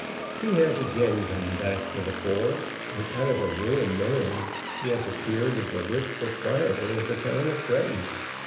He has again come back to the fore, and out of a ruined man has appeared as the rich proprietor of the town of Tretton.